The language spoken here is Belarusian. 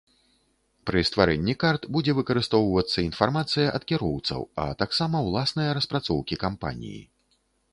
Пры стварэнні карт будзе выкарыстоўвацца інфармацыя ад кіроўцаў, а таксама ўласныя распрацоўкі кампаніі.